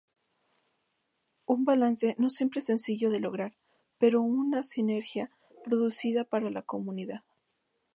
Un balance no siempre sencillo de lograr, pero una sinergia productiva para la comunidad.